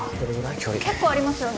距離結構ありますよね